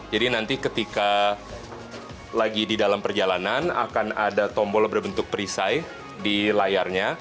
jadi nanti ketika lagi di dalam perjalanan akan ada tombol berbentuk perisai di layarnya